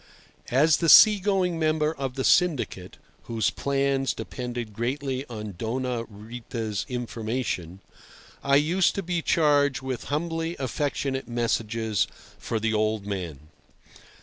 As the sea going member of the syndicate (whose plans depended greatly on Doña Rita's information), I used to be charged with humbly affectionate messages for the old man.